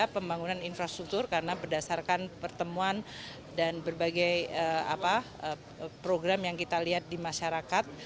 terutama berdasarkan pertemuan dan berbagai program yang kita lihat di masyarakat